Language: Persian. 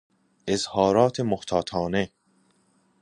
اظهارات محتاطانه